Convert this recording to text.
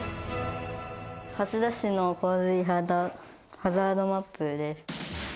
蓮田市の洪水ハザードマップです。